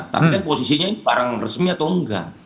tapi posisinya ini barang resmi atau tidak